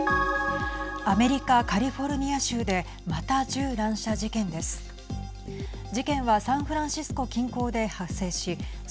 アメリカ、カリフォルニア州でまた銃乱射事件です。